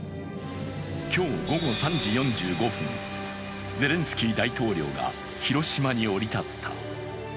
今日午後３時４５分、ゼレンスキー大統領が広島に降り立った。